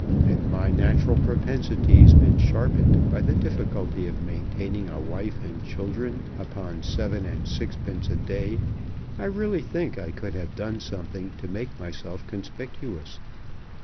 Had my natural propensities been sharpened by the difficulty of maintaining a wife and children upon seven and sixpence a day, I really think I could have done something to make myself conspicuous.